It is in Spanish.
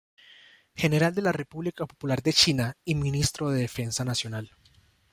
General de la República Popular de China y ministro de Defensa Nacional.